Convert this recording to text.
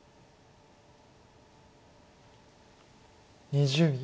２０秒。